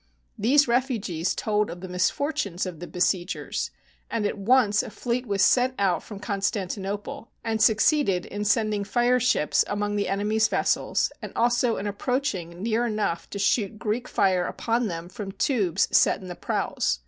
These refugees told of the misfortunes of the besiegers, and at once a fleet was sent out from Constantinople and succeeded in sending fireships among the enemy's vessels and also in approaching near enough to shoot Greek fire upon them from tubes set in the prows.